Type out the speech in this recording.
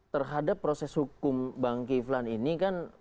terhadap proses hukum bang kiflan ini kan